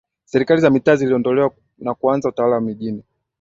Serikali za Mitaa ziliondolewa na kuanza Utawala Mijini